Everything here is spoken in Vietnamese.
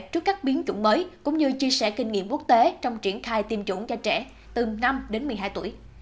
trước các biến chủng mới cũng như chia sẻ kinh nghiệm quốc tế trong triển khai tiêm chủng cho trẻ từ năm đến một mươi hai tuổi